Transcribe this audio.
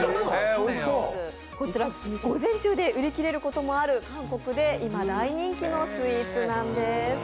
こちら、午前中で売り切れることもある、韓国で今、大人気のスイーツなんです。